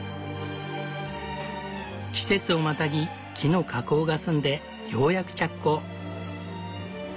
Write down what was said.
季節をまたぎ木の加工が済んでようやく着工。